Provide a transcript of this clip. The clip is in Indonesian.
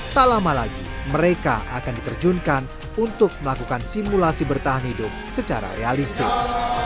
tak lama lagi mereka akan diterjunkan untuk melakukan simulasi bertahan hidup secara realistis